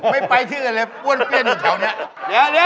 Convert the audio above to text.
ไม่ไปที่อะไรอ้วนเปลี้ยงอีกแถวนี้